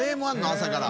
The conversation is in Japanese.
朝から。